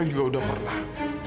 saya juga udah pernah